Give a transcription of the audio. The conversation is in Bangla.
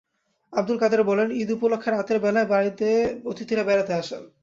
আবদুল কাদের বলেন, ঈদ উপলক্ষে রাতের বেলায় বাড়িতে অতিথিরা বেড়াতে আসেন।